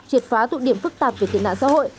triệt phá tụ điểm phức tạp về tệ nạn xã hội